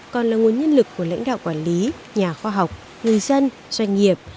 còn là nguồn nhân lực của lãnh đạo quản lý nhà khoa học người dân doanh nghiệp